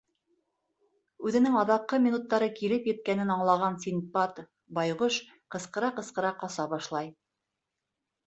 Үҙенең аҙаҡҡы минуттары килеп еткәнен аңлаған Синдбад байғош ҡысҡыра-ҡысҡыра ҡаса башлай.